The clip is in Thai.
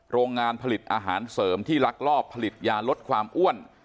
โรงงานผลิตอาหารเสริมที่ลักลอบผลิตยาลดความอ้วน